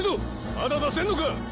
まだ出せんのか！？